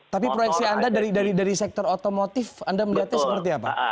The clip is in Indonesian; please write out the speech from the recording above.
tapi proyeksi anda dari sektor otomotif anda melihatnya seperti apa